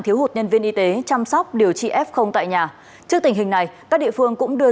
thiếu hụt nhân viên y tế chăm sóc điều trị f tại nhà trước tình hình này các địa phương cũng đưa